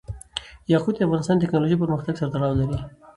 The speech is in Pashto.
یاقوت د افغانستان د تکنالوژۍ پرمختګ سره تړاو لري.